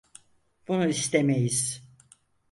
Bunu istemeyiz.